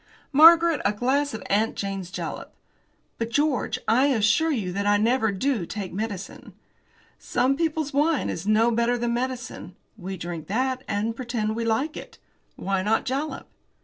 "Margaret, a glass of 'Aunt Jane's Jalap.'" "But, George, I assure you that I never do take medicine." "Some people's wine is no better than medicine. We drink that, and pretend we like it. Why not jalap?"